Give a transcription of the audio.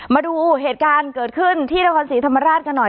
มาดูเหตุการณ์เกิดขึ้นที่นครศรีธรรมราชกันหน่อย